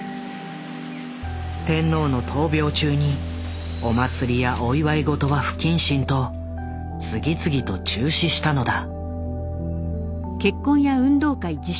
天皇の闘病中にお祭りやお祝い事は「不謹慎」と次々と中止したのだ。